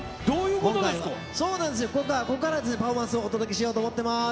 今回は、ここからパフォーマンスをお届けしようと思っています。